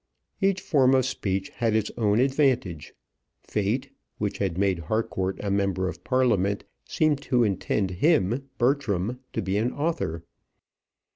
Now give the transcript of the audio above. Each form of speech had its own advantage. Fate, which had made Harcourt a member of Parliament, seemed to intend him, Bertram, to be an author.